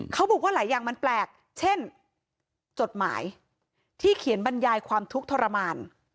เขาบอกว่าหลายอย่างมันแปลกเช่นจดหมายที่เขียนบรรยายความทุกข์ทรมาน